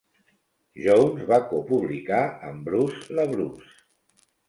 Jones va copublicar amb Bruce LaBruce.